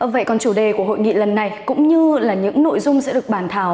vậy còn chủ đề của hội nghị lần này cũng như là những nội dung sẽ được bàn thảo